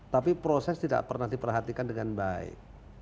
tapi proses tidak pernah diperhatikan dengan baik